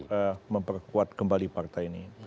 untuk memperkuat kembali partai ini